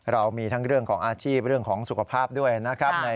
เรามีทั้งเรื่องของอาชีพเรื่องของสุขภาพด้วยนะครับ